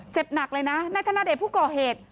หนักเลยนะนายธนเดชผู้ก่อเหตุ